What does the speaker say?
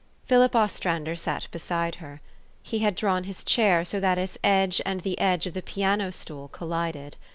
Philip Ostrander sat beside her. He had drawn his chair, so that its edge and the edge of the piano stool collided.